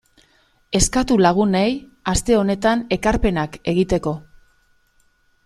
Eskatu lagunei aste honetan ekarpenak egiteko.